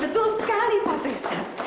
betul sekali pak twister